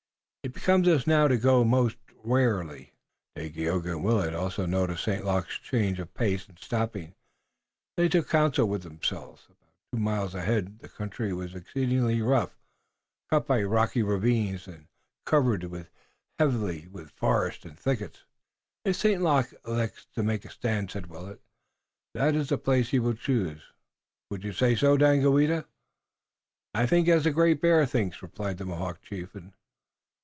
It becomes us now to go most warily." Daganoweda and Willet also had noticed St. Luc's change of pace, and stopping, they took counsel with themselves. About two miles ahead the country was exceedingly rough, cut by rocky ravines, and covered heavily with forest and thickets. "If St. Luc elects to make a stand," said Willet, "that is the place he will choose. What say you, Daganoweda?" "I think as the Great Bear thinks," replied the Mohawk chieftain.